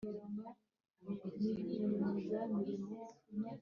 na cyera rero, abo mu rwanda bahoze bagenza nk’abaturage bandi